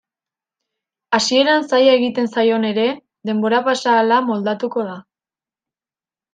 Hasieran zaila egiten zaion ere, denbora pasa ahala moldatuko da.